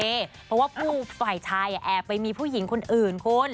เพราะว่าผู้ฝ่ายชายแอบไปมีผู้หญิงคนอื่นคุณ